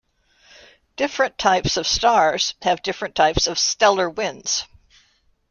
Different types of stars have different types of stellar winds.